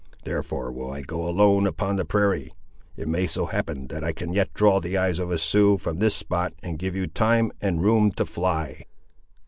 Therefore will I go alone upon the prairie. It may so happen, that I can yet draw the eyes of a Sioux from this spot and give you time and room to fly."